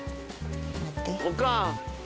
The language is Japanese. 「おかん！」